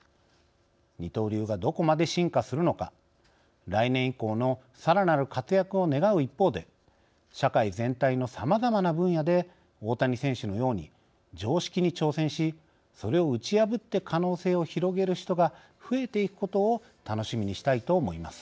二刀流がどこまで進化するのか来年以降のさらなる活躍を願う一方で社会全体のさまざまな分野で大谷選手のように常識に挑戦しそれを打ち破って可能性を広げる人が増えていくことを楽しみにしたいと思います。